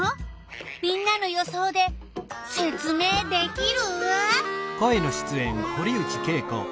みんなの予想でせつ明できる？